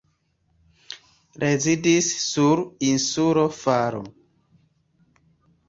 Rezidis sur insulo Faro.